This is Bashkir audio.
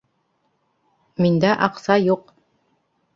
Миндә аҡса юҡ.